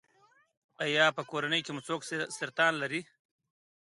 ایا په کورنۍ کې مو څوک سرطان لري؟